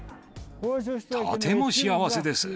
とても幸せです。